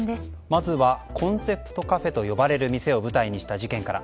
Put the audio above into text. まずはコンセプトカフェと呼ばれる店を舞台にした事件から。